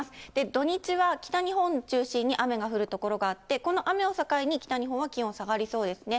土日は北日本中心に雨が降る所があって、この雨を境に北日本は気温下がりそうですね。